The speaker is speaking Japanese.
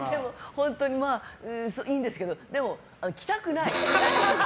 本当に、いいんですけどでも着たくない。